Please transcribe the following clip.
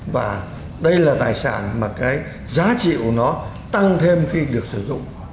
và đây là tài sản mà cái giá trị của nó tăng thêm khi được sử dụng